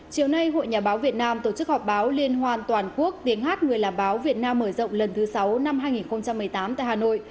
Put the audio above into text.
chiều nay hội nhà báo việt nam tổ chức họp báo liên hoàn toàn quốc tiếng hát người làm báo việt nam mở rộng lần thứ sáu năm hai nghìn một mươi tám tại hà nội